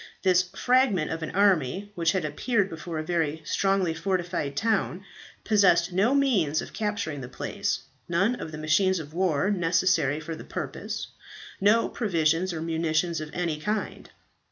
This fragment of an army, which had appeared before a very strongly fortified town, possessed no means of capturing the place none of the machines of war necessary for the purpose, no provisions or munitions of any kind.